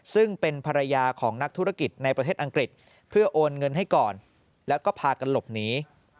ซึ่งเป็นภรรยาของนักธุรกิจในประเทศอังกฤษเพื่อโอนเงินให้ก่อนแล้วก็พากันหลบหนี